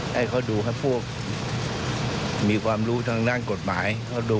ให้เขาดูให้พวกมีความรู้ทางด้านกฎหมาย